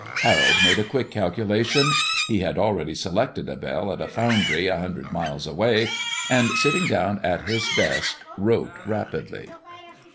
Harold made a quick calculation he had already selected a bell at a foundry a hundred miles away and sitting down at his desk wrote rapidly.